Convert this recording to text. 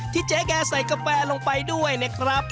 เจ๊แกใส่กาแฟลงไปด้วยนะครับ